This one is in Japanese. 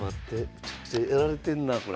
めちゃくちゃやられてんなこれ。